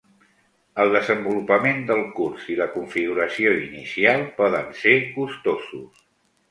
El desenvolupament del curs i la configuració inicial poden ser costosos.